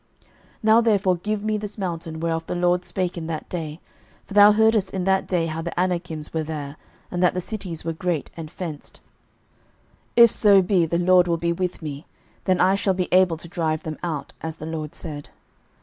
06:014:012 Now therefore give me this mountain, whereof the LORD spake in that day; for thou heardest in that day how the Anakims were there, and that the cities were great and fenced: if so be the LORD will be with me, then I shall be able to drive them out, as the LORD said.